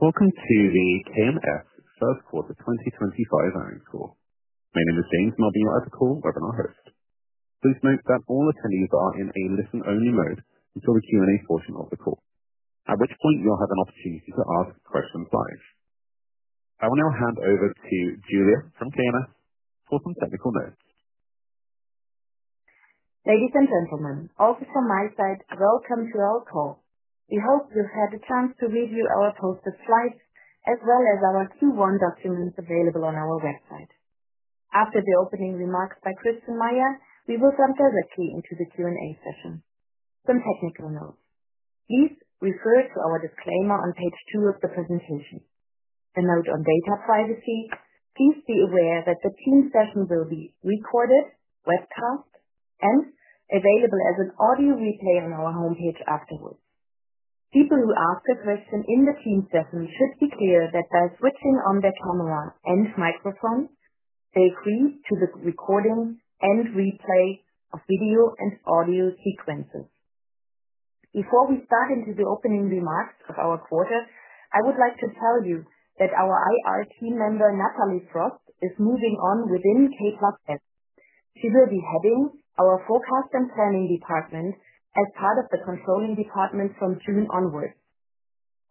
Welcome to the K+S First Course of 2025 Learning School. My name is James Melbourne-Loh, as a call webinar host. Please note that all attendees are in a listen-only mode until the Q&A portion of the call, at which point you'll have an opportunity to ask questions live. I will now hand over to Julia from K+S for some technical notes. Ladies and gentlemen, also from my side, welcome to our call. We hope you've had the chance to review our posted slides as well as our Q1 documents available on our website. After the opening remarks by Christian Meyer, we will jump directly into the Q&A session. Some technical notes: please refer to our disclaimer on page two of the presentation, a note on data privacy. Please be aware that the team session will be recorded, webcast, and available as an audio replay on our homepage afterwards. People who ask a question in the team session should be clear that by switching on their camera and microphone, they agree to the recording and replay of video and audio sequences. Before we start into the opening remarks of our quarter, I would like to tell you that our IR team member, Natalie Frost, is moving on within K+S. She will be heading our forecast and planning department as part of the controlling department from June onwards.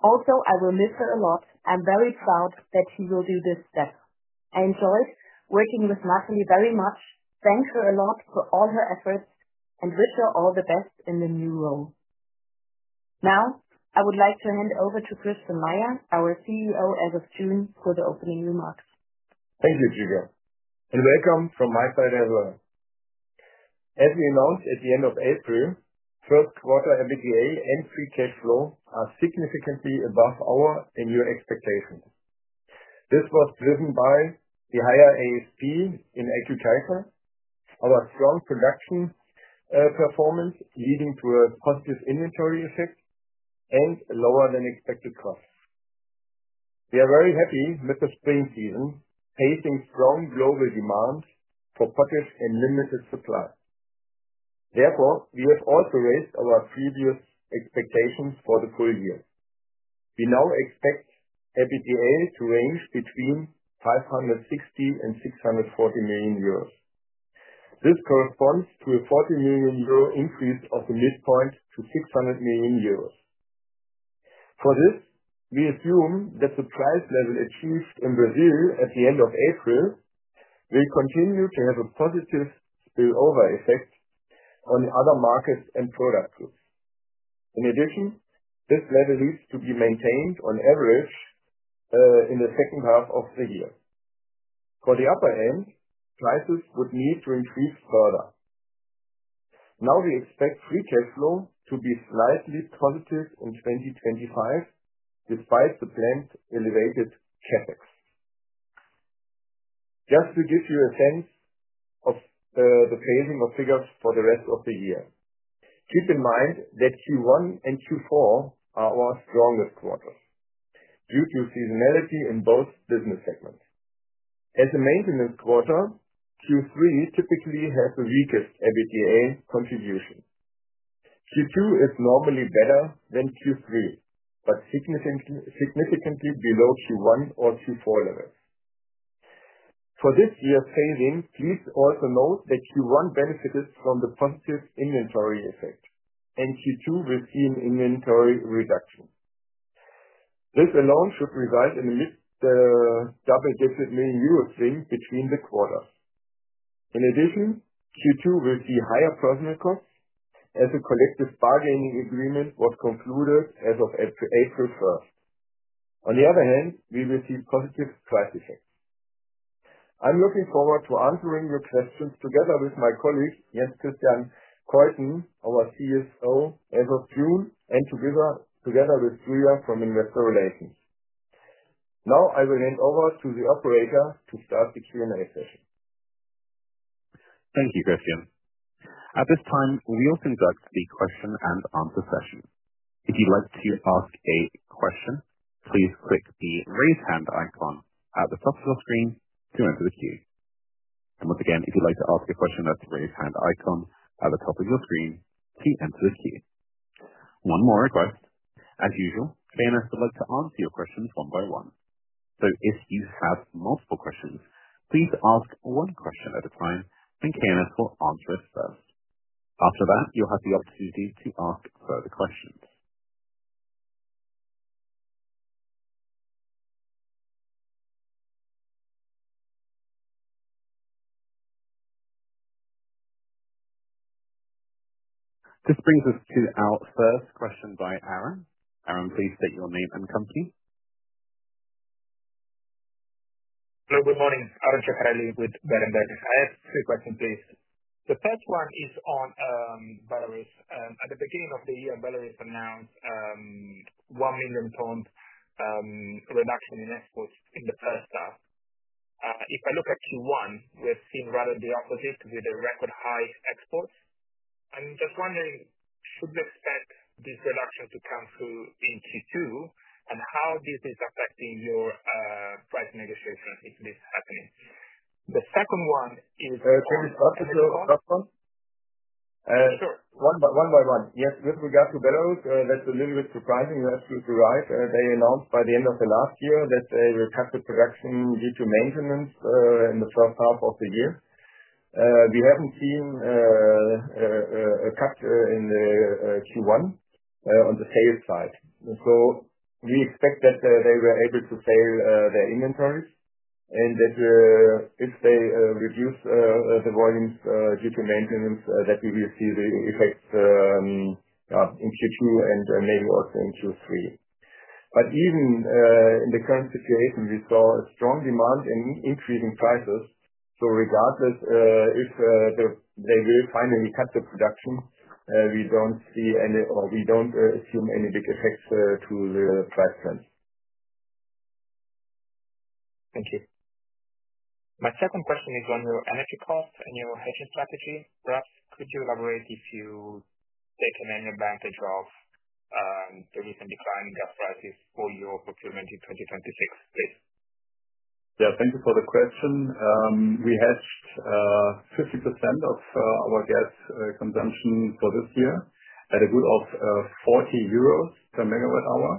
Also, I will miss her a lot. I'm very proud that she will do this step. I enjoyed working with Natalie very much. Thank her a lot for all her efforts and wish her all the best in the new role. Now, I would like to hand over to Christian Meyer, our CEO, as of June, for the opening remarks. Thank you, Julia. Welcome from my side as well. As we announced at the end of April, first quarter EBITDA and free cash flow are significantly above our and your expectations. This was driven by the higher ASP in MOP, our strong production performance leading to a positive inventory effect, and lower than expected costs. We are very happy with the spring season, facing strong global demand for potash and limited supply. Therefore, we have also raised our previous expectations for the full year. We now expect EBITDA to range between 560 million-640 million euros. This corresponds to a 40 million euro increase of the midpoint to 600 million euros. For this, we assume that the price level achieved in Brazil at the end of April will continue to have a positive spillover effect on other markets and product groups. In addition, this level needs to be maintained on average in the second half of the year. For the upper end, prices would need to increase further. Now, we expect free cash flow to be slightly positive in 2025, despite the planned elevated CapEx. Just to give you a sense of the phasing of figures for the rest of the year, keep in mind that Q1 and Q4 are our strongest quarters due to seasonality in both business segments. As a maintenance quarter, Q3 typically has the weakest MBTA contribution. Q2 is normally better than Q3, but significantly below Q1 or Q4 levels. For this year's phasing, please also note that Q1 benefited from the positive inventory effect, and Q2 will see an inventory reduction. This alone should result in a mid double-digit million EUR swing between the quarters. In addition, Q2 will see higher personnel costs as a collective bargaining agreement was concluded as of April 1st. On the other hand, we will see positive price effects. I'm looking forward to answering your questions together with my colleague, Jens Christian Keuthen, our CSO, as of June, and together with Julia from Investor Relations. Now, I will hand over to the operator to start the Q&A session. Thank you, Christian. At this time, we'll conduct the question and answer session. If you'd like to ask a question, please click the raise hand icon at the top of your screen to enter the queue. If you'd like to ask a question, that's the raise hand icon at the top of your screen to enter the queue. One more request. As usual, K+S would like to answer your questions one by one. If you have multiple questions, please ask one question at a time, and K+S will answer it first. After that, you'll have the opportunity to ask further questions. This brings us to our first question by Aron. Aron, please state your name and company. Hello, good morning. Aron Ceccarelli with Berenberg. I have two questions, please. The first one is on Belarus. At the beginning of the year, Belarus announced a 1 million ton reduction in exports in the first half. If I look at Q1, we've seen rather the opposite with a record high exports. I'm just wondering, should we expect this reduction to come through in Q2, and how this is affecting your price negotiation if this is happening? The second one is. Can we start with the first one? Sure. One by one. Yes, with regard to Belarus, that's a little bit surprising. You're absolutely right. They announced by the end of the last year that they will cut the production due to maintenance in the first half of the year. We haven't seen a cut in Q1 on the sales side. We expect that they were able to sell their inventories and that if they reduce the volumes due to maintenance, we will see the effects in Q2 and maybe also in Q3. Even in the current situation, we saw a strong demand and increasing prices. Regardless, if they will finally cut the production, we don't see any or we don't assume any big effects to the price trends. Thank you. My second question is on your energy cost and your hedging strategy. Perhaps could you elaborate if you take an advantage of the recent decline in gas prices for your procurement in 2026, please? Yeah, thank you for the question. We hedged 50% of our gas consumption for this year at a good of 40 euros per megawatt hour.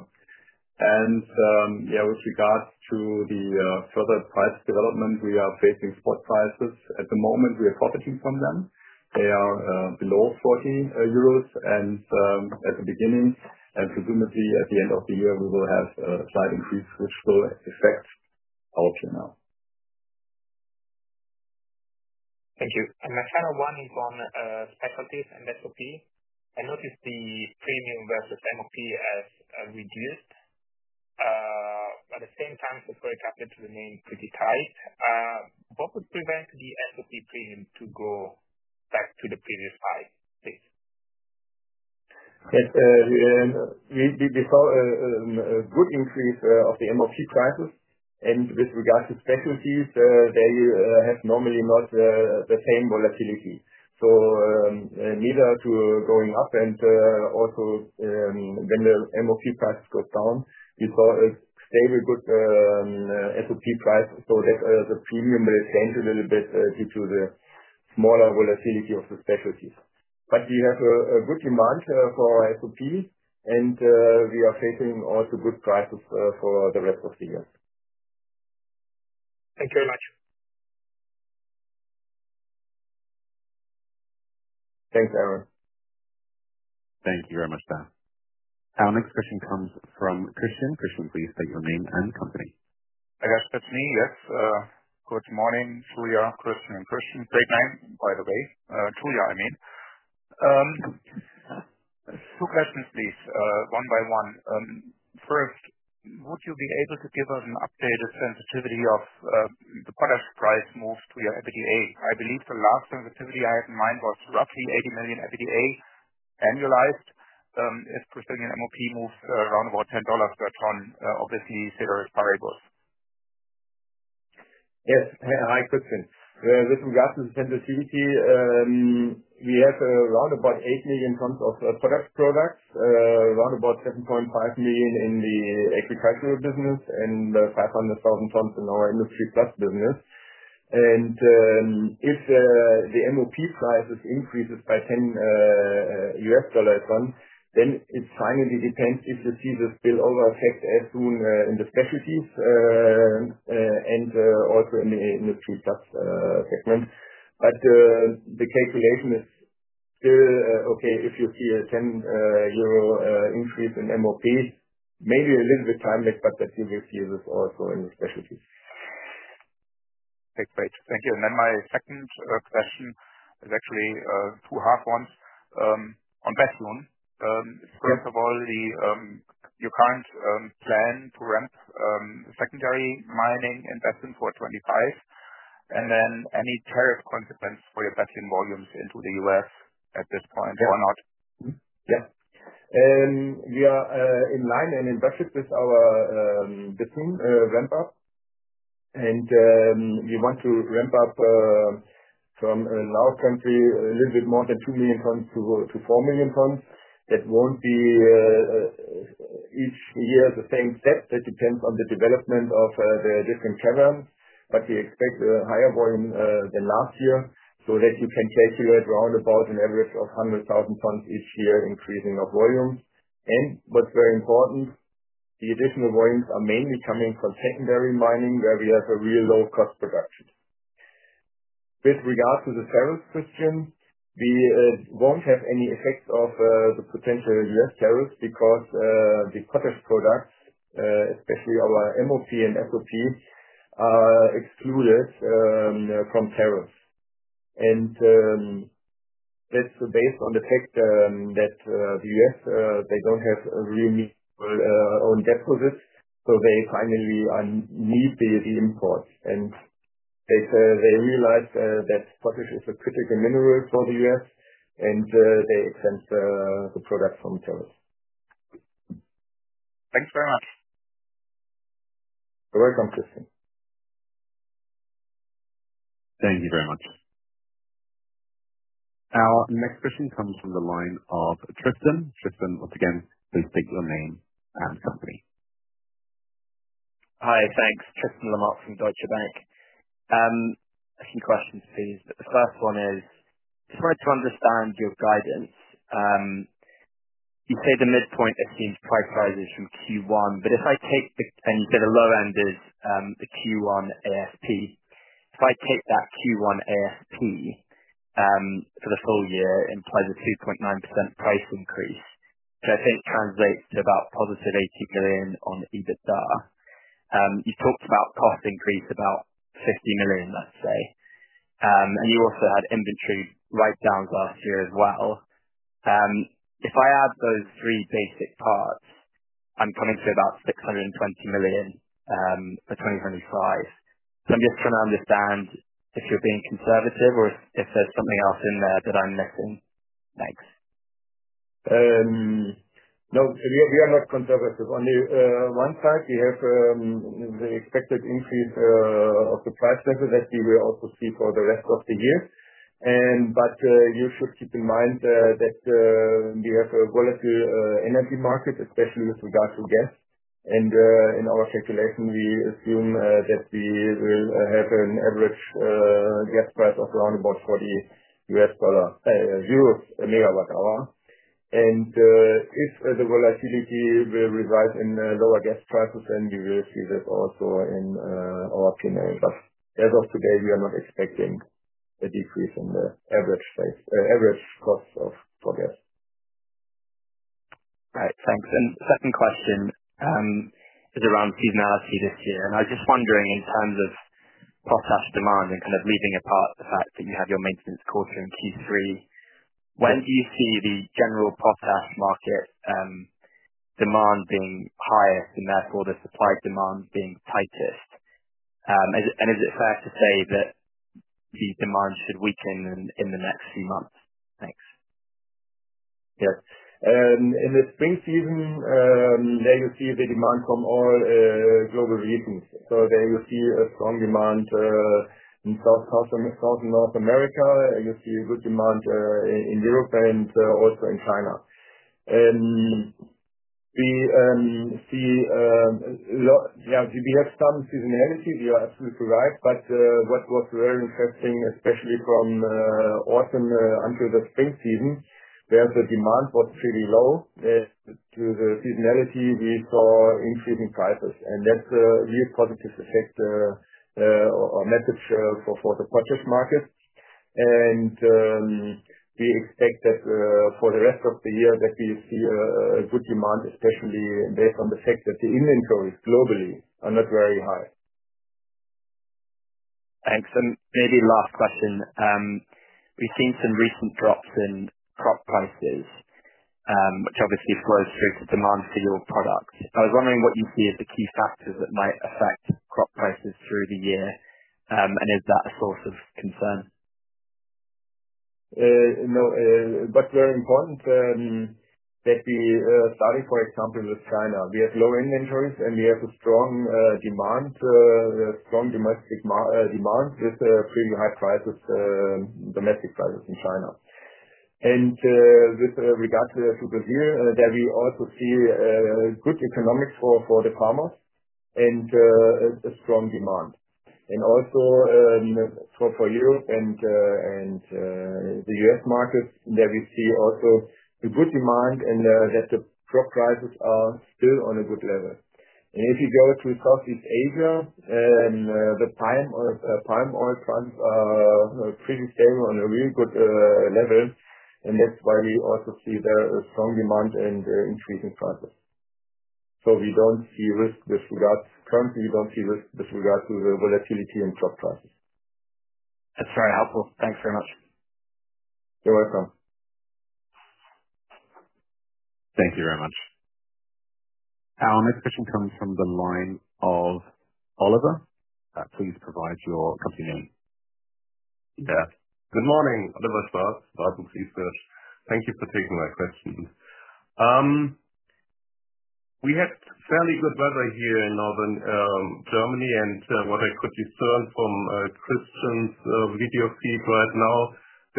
Yeah, with regards to the further price development, we are facing spot prices. At the moment, we are profiting from them. They are below 40 euros. At the beginning and presumably at the end of the year, we will have a slight increase, which will affect our P&L. Thank you. My final one is on specialties and SOP. I noticed the premium versus MOP has reduced. At the same time, supporting capital remains pretty tight. What would prevent the SOP premium to go back to the previous high, please? Yes. We saw a good increase of the MOP prices. With regards to specialties, they have normally not the same volatility. Neither going up, and also when the MOP price goes down, we saw a stable good SOP price. The premium will change a little bit due to the smaller volatility of the specialties. We have a good demand for SOP, and we are facing also good prices for the rest of the year. Thank you very much. Thanks, Aron. Thank you very much, Aron. Our next question comes from Christian. Christian, please state your name and company. Hi, guys. That's me, yes. Good morning, Julia, Christian, and Christian. Great name, by the way. Julia, I mean. Two questions, please, one by one. First, would you be able to give us an updated sensitivity of the potash price moves to your EBITDA? I believe the last sensitivity I had in mind was roughly 80 million EBITDA annualized. If, assuming MOP moves around about $10 per ton, obviously ceteris paribus. Yes. Hi, Christian. With regards to the sensitivity, we have around 8 million tons of potash products, around 7.5 million in the agricultural business, and 500,000 tons in our Industry Plus business. If the MOP prices increase by $10, then it finally depends if you see the spillover effect as soon in the specialties and also in the Industry Plus segment. The calculation is still okay if you see a 10 euro increase in MOP, maybe a little bit timely, but you will see this also in the specialties. Okay, great. Thank you. My second question is actually two half ones on Bethune. First of all, you plan to ramp secondary mining in Bethune for 2025. Any tariff consequence for your Bethune volumes into the U.S. at this point or not? Yeah. We are in line and in budget with our Bethune ramp-up. We want to ramp up from now currently a little bit more than 2 million tons-4 million tons. That will not be each year the same step. That depends on the development of the different caverns. We expect a higher volume than last year so that you can calculate round about an average of 100,000 tons each year increasing of volumes. What is very important, the additional volumes are mainly coming from secondary mining where we have a real low cost production. With regards to the tariffs, Christian, we will not have any effects of the potential U.S. tariffs because the potash products, especially our MOP and SOP, are excluded from tariffs. That is based on the fact that the U.S., they do not have real mineral owned deposits, so they finally need the imports. They realize that potash is a critical mineral for the U.S., and they exempt the product from tariffs. Thanks very much. You're welcome, Christian. Thank you very much. Our next question comes from the line of Tristan. Tristan, once again, please state your name and company. Hi, thanks. Tristan Lamotte from Deutsche Bank. A few questions, please. The first one is, I just wanted to understand your guidance. You say the midpoint assumes price rises from Q1, but if I take the—and you say the low end is the Q1 ASP. If I take that Q1 ASP for the full year, it implies a 2.9% price increase, which I think translates to about positive 80 million on EBITDA. You talked about cost increase about 50 million, let's say. And you also had inventory write-downs last year as well. If I add those three basic parts, I'm coming to about 620 million for 2025. So I'm just trying to understand if you're being conservative or if there's something else in there that I'm missing. Thanks. No, we are not conservative. On the one side, we have the expected increase of the price level that we will also see for the rest of the year. You should keep in mind that we have a volatile energy market, especially with regards to gas. In our calculation, we assume that we will have an average gas price of around EUR 40 per megawatt hour. If the volatility will reside in lower gas prices, we will see this also in our P&L. As of today, we are not expecting a decrease in the average cost for gas. All right, thanks. The second question is around seasonality this year. I was just wondering in terms of potash demand and kind of leaving apart the fact that you have your maintenance quarter in Q3, when do you see the general potash market demand being highest and therefore the supply demand being tightest? Is it fair to say that the demand should weaken in the next few months? Thanks. Yes. In the spring season, there you see the demand from all global regions. There you see a strong demand in South and North America. You see a good demand in Europe and also in China. We see a lot—yeah, we have some seasonality. You're absolutely right. What was very interesting, especially from autumn until the spring season, where the demand was pretty low due to the seasonality, we saw increasing prices. That's a real positive effect or message for the potash market. We expect that for the rest of the year we see a good demand, especially based on the fact that the inventories globally are not very high. Thanks. Maybe last question. We've seen some recent drops in crop prices, which obviously flows through to demand for your products. I was wondering what you see as the key factors that might affect crop prices through the year, and is that a source of concern? No, but very important that we started, for example, with China. We have low inventories, and we have a strong demand, strong domestic demand with pretty high prices, domestic prices in China. With regards to Brazil, there we also see good economics for the farmers and a strong demand. Also for Europe and the U.S. markets, there we see also a good demand and that the crop prices are still on a good level. If you go to Southeast Asia, the palm oil prices are pretty stable on a real good level, and that is why we also see a strong demand and increasing prices. We do not see risk with regards—currently, we do not see risk with regards to the volatility in crop prices. That's very helpful. Thanks very much. You're welcome. Thank you very much. Our next question comes from the line of Oliver. Please provide your company name. Yeah. Good morning, Oliver Schwarz, Warburg. Thank you for taking my question. We had fairly good weather here in Northern Germany, and what I could discern from Christian's video feed right now,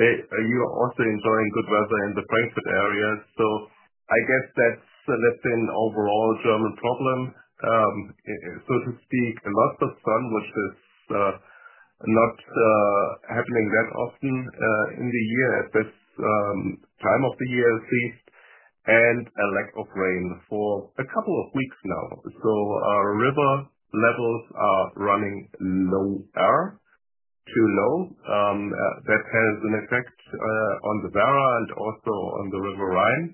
you're also enjoying good weather in the Frankfurt area. I guess that's a less than overall German problem, so to speak. Lots of sun, which is not happening that often in the year at this time of the year at least, and a lack of rain for a couple of weeks now. Our river levels are running lower, too low. That has an effect on the Werra and also on the Rhine River.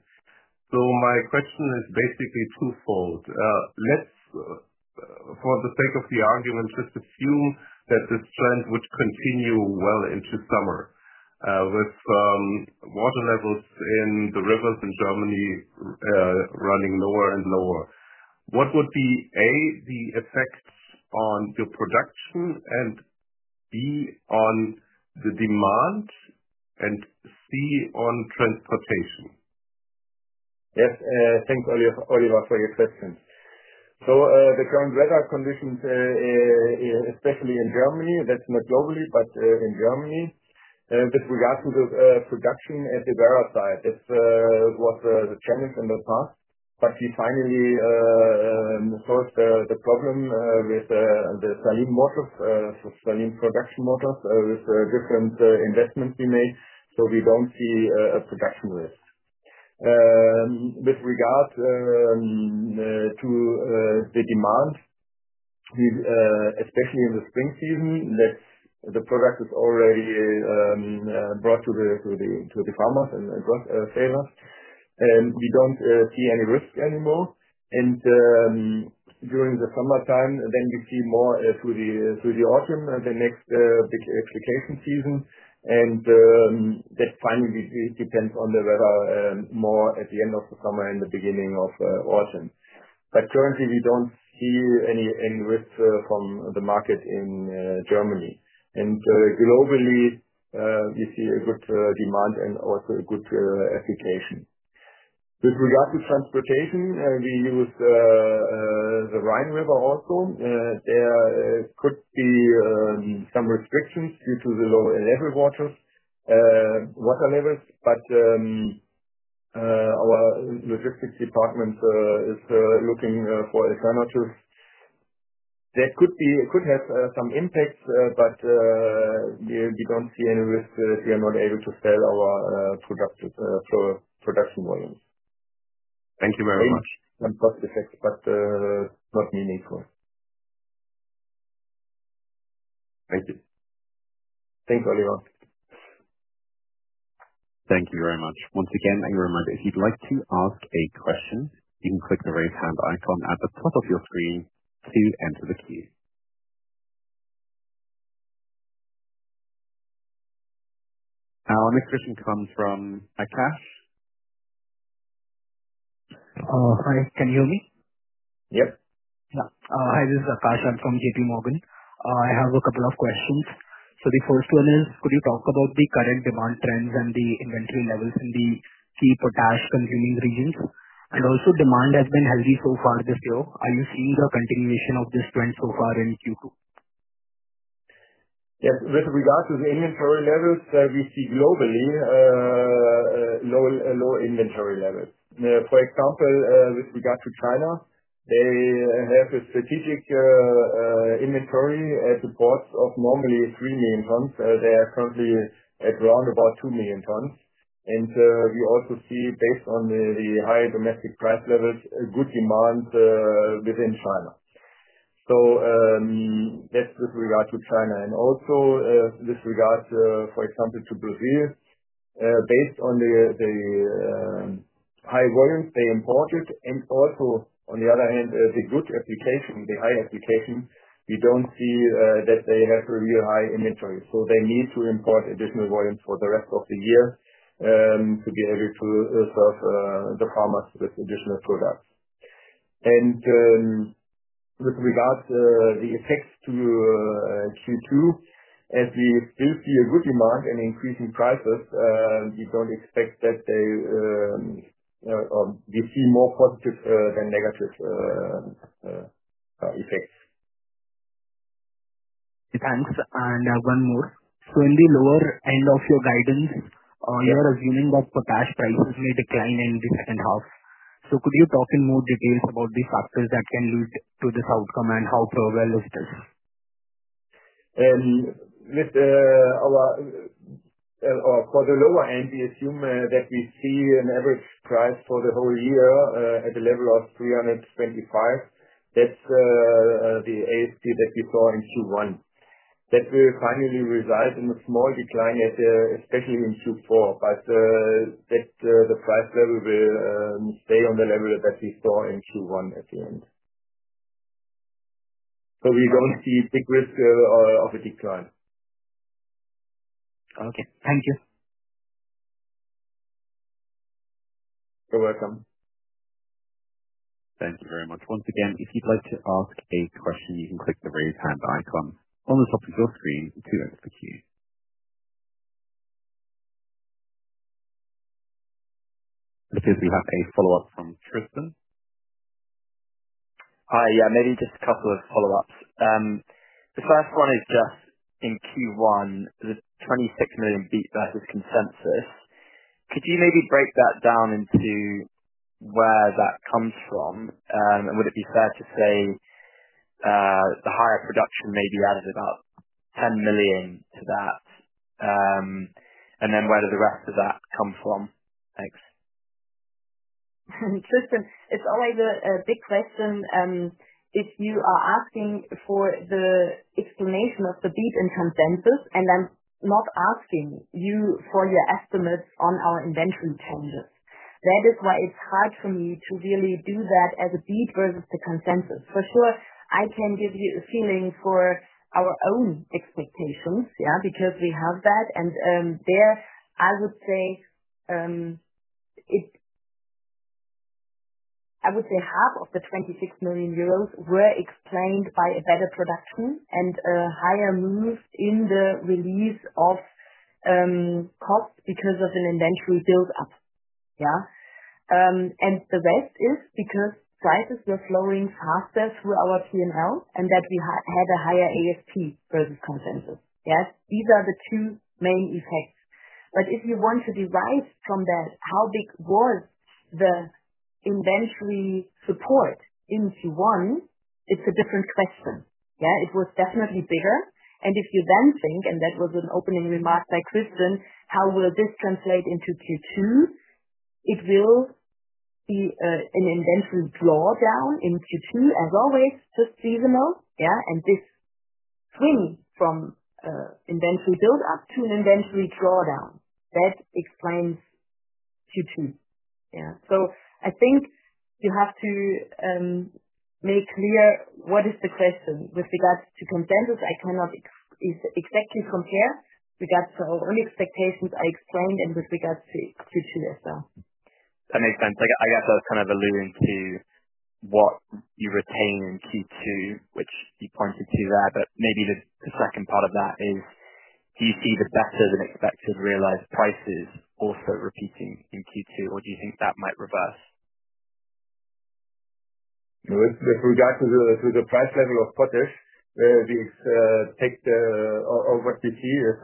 My question is basically twofold. Let's, for the sake of the argument, just assume that this trend would continue well into summer with water levels in the rivers in Germany running lower and lower. What would be, A, the effects on your production, and, B, on the demand, and, C, on transportation? Yes. Thanks, Oliver, for your questions. The current weather conditions, especially in Germany, that's not globally, but in Germany, with regards to the production at the Werra site, that was a challenge in the past. We finally solved the problem with the saline motors, saline production motors with different investments we made. We do not see a production risk. With regards to the demand, especially in the spring season, the product is already brought to the farmers and sales, we do not see any risk anymore. During the summertime, we see more through the autumn, the next big application season. That finally depends on the weather more at the end of the summer and the beginning of autumn. Currently, we do not see any risk from the market in Germany. Globally, we see a good demand and also a good application. With regards to transportation, we use the Rhine River also. There could be some restrictions due to the low water levels, but our logistics department is looking for alternatives. That could have some impacts, but we do not see any risk that we are not able to sell our production volumes. Thank you very much. Some cost effects, but not meaningful. Thank you. Thanks, Oliver. Thank you very much. Once again, a reminder, if you'd like to ask a question, you can click the raise hand icon at the top of your screen to enter the queue. Our next question comes from Akash. Hi, can you hear me? Yep. Yeah. Hi, this is Akash. I'm from JP Morgan. I have a couple of questions. The first one is, could you talk about the current demand trends and the inventory levels in the key potash-consuming regions? Also, demand has been healthy so far this year. Are you seeing the continuation of this trend so far in Q2? Yes. With regards to the inventory levels, we see globally low inventory levels. For example, with regards to China, they have a strategic inventory at the ports of normally 3 million tons. They are currently at around about 2 million tons. We also see, based on the high domestic price levels, good demand within China. That is with regards to China. Also, with regards, for example, to Brazil, based on the high volumes they imported and also, on the other hand, the good application, the high application, we do not see that they have a real high inventory. They need to import additional volumes for the rest of the year to be able to serve the farmers with additional products. With regards to the effects to Q2, as we still see a good demand and increasing prices, we do not expect that they—we see more positive than negative effects. Thanks. One more. In the lower end of your guidance, you are assuming that potash prices may decline in the second half. Could you talk in more detail about the factors that can lead to this outcome and how prevalent is this? With the lower end, we assume that we see an average price for the whole year at the level of 325. That's the ASP that we saw in Q1. That will finally result in a small decline at, especially in Q4, but that the price level will stay on the level that we saw in Q1 at the end. We don't see a big risk of a decline. Okay. Thank you. You're welcome. Thank you very much. Once again, if you'd like to ask a question, you can click the raise hand icon on the top of your screen to execute. It appears we have a follow-up from Tristan. Hi. Yeah, maybe just a couple of follow-ups. The first one is just in Q1, the 26 million beat versus consensus. Could you maybe break that down into where that comes from? Would it be fair to say the higher production maybe added about 10 million to that? Where does the rest of that come from? Thanks. Tristan, it's always a big question if you are asking for the explanation of the beat and consensus, and I'm not asking you for your estimates on our inventory changes. That is why it's hard for me to really do that as a beat versus the consensus. For sure, I can give you a feeling for our own expectations, yeah, because we have that. There, I would say half of the 26 million euros were explained by a better production and a higher move in the release of costs because of an inventory build-up, yeah. The rest is because prices were flowing faster through our P&L and that we had a higher ASP versus consensus, yeah. These are the two main effects. If you want to derive from that how big was the inventory support in Q1, it's a different question, yeah. It was definitely bigger. If you then think, and that was an opening remark by Christian, how will this translate into Q2? It will be an inventory drawdown in Q2, as always, just seasonal, yeah. This swing from inventory build-up to an inventory drawdown explains Q2, yeah. I think you have to make clear what is the question. With regards to consensus, I cannot exactly compare with regards to our own expectations I explained and with regards to Q2 as well. That makes sense. I guess I was kind of alluding to what you retain in Q2, which you pointed to there, but maybe the second part of that is, do you see the better than expected realized prices also repeating in Q2, or do you think that might reverse? With regards to the price level of potash, we take the over TT, it's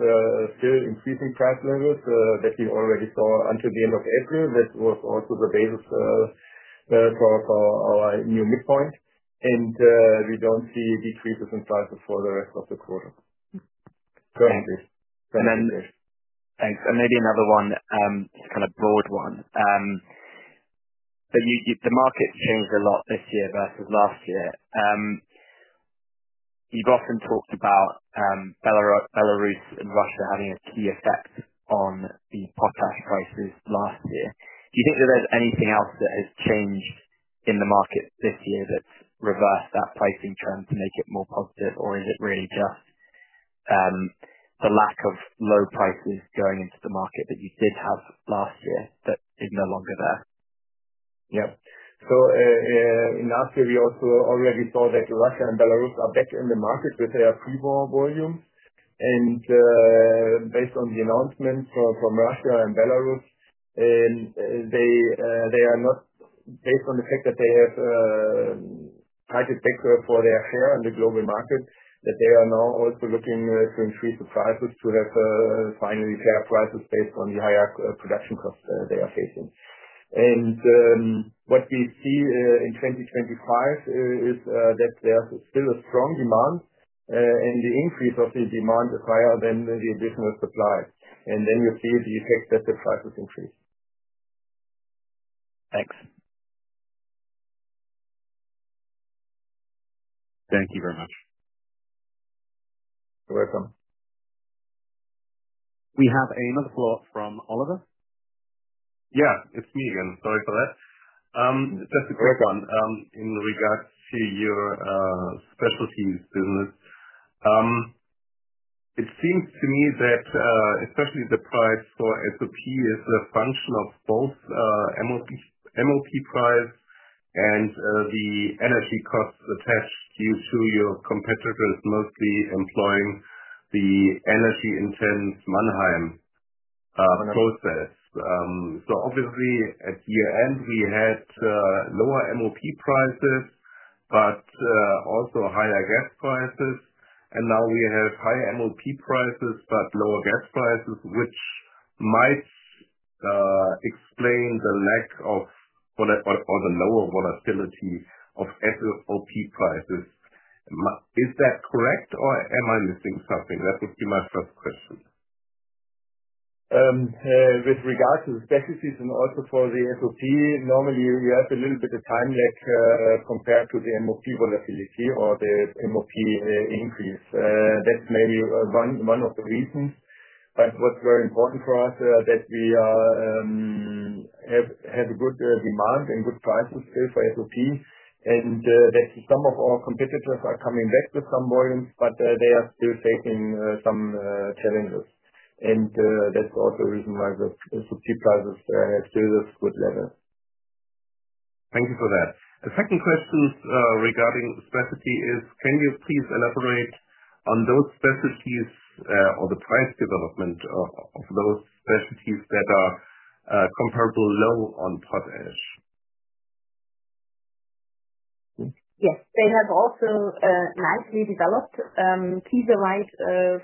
still increasing price levels that we already saw until the end of April. That was also the basis for our new midpoint. And we don't see decreases in prices for the rest of the quarter. Currently, currently. Thanks. Maybe another one, just kind of broad one. The market's changed a lot this year versus last year. You've often talked about Belarus and Russia having a key effect on the potash prices last year. Do you think that there's anything else that has changed in the market this year that's reversed that pricing trend to make it more positive, or is it really just the lack of low prices going into the market that you did have last year that is no longer there? Yep. In last year, we also already saw that Russia and Belarus are back in the market with their pre-war volumes. Based on the announcements from Russia and Belarus, they are not, based on the fact that they have tightened back for their share in the global market, that they are now also looking to increase the prices to have finally fair prices based on the higher production costs they are facing. What we see in 2025 is that there is still a strong demand, and the increase of the demand is higher than the additional supply. You see the effect that the prices increase. Thanks. Thank you very much. You're welcome. We have another follow-up from Oliver. Yeah, it's me again. Sorry for that. Just a quick one in regards to your specialties business. It seems to me that especially the price for SOP is a function of both MOP price and the energy costs attached due to your competitors mostly employing the energy-intense Mannheim process. Obviously, at year-end, we had lower MOP prices but also higher gas prices. Now we have higher MOP prices but lower gas prices, which might explain the lack of or the lower volatility of SOP prices. Is that correct, or am I missing something? That would be my first question. With regards to the specialties and also for the SOP, normally you have a little bit of time lag compared to the MOP volatility or the MOP increase. That is maybe one of the reasons. What is very important for us is that we have good demand and good prices still for SOP, and that some of our competitors are coming back with some volumes, but they are still facing some challenges. That is also the reason why the SOP prices are still at good levels. Thank you for that. The second question regarding specialty is, can you please elaborate on those specialties or the price development of those specialties that are comparable low on potash? Yes. They have also nicely developed. Kieserite,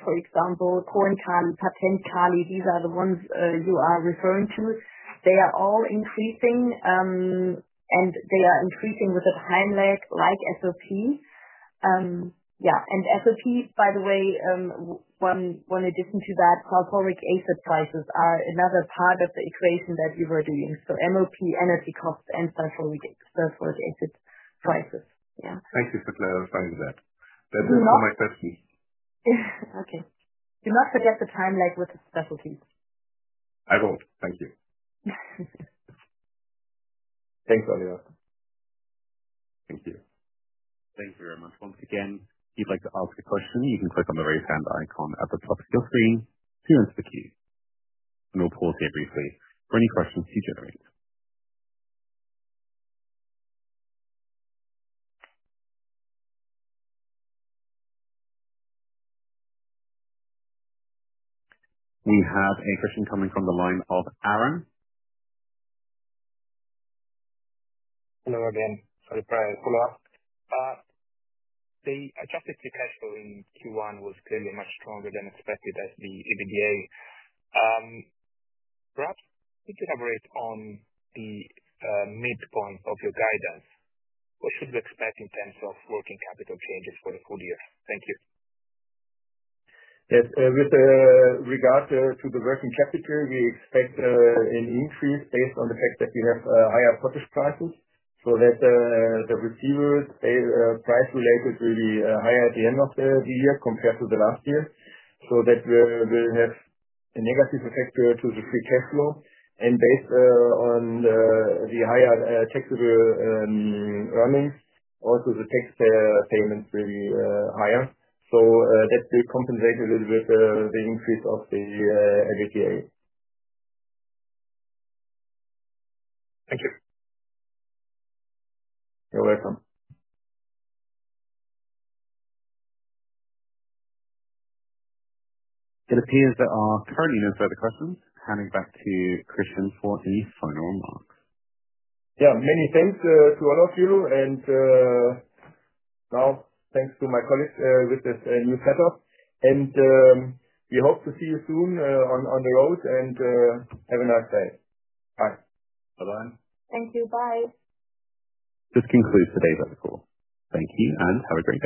for example, Korn-Kali, Patentkali, these are the ones you are referring to. They are all increasing, and they are increasing with a time lag like SOP. Yeah. And SOP, by the way, one addition to that, sulfuric acid prices are another part of the equation that you were doing. So MOP, energy costs, and sulfuric acid prices, yeah. Thank you for clarifying that. That was my question. Okay. Do not forget the time lag with the specialties. I won't. Thank you. Thanks, Oliver. Thank you. Thank you very much. Once again, if you'd like to ask a question, you can click on the raise hand icon at the top of your screen to enter the queue. We will pause here briefly for any questions to generate. We have a question coming from the line of Aron. Hello again. Sorry for the follow-up. The adjusted free cash flow in Q1 was clearly much stronger than expected at the EBITDA. Perhaps could you elaborate on the midpoint of your guidance? What should we expect in terms of working capital changes for the full year? Thank you. Yes. With regards to the working capital, we expect an increase based on the fact that we have higher potash prices. That means the receivables price related will be higher at the end of the year compared to last year. That will have a negative effect on the free cash flow. Based on the higher taxable earnings, also the tax payments will be higher. That will compensate a little bit the increase of the EBITDA. Thank you. You're welcome. It appears that there are currently no further questions. Handing back to Christian for any final remarks. Yeah. Many thanks to all of you. Thanks to my colleagues with this new setup. We hope to see you soon on the road and have a nice day. Bye. Bye-bye. Thank you. Bye. This concludes today's episode. Thank you and have a great day.